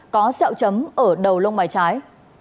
có xẹo chấm ở đầu lông bài trái